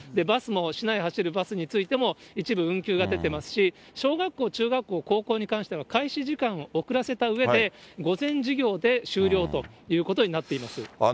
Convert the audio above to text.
バスも、市内を走るバスについても一部運休が出てますし、小学校、中学校、高校に関しては、開始時間を遅らせたうえで、午前授業で終了ということになっています。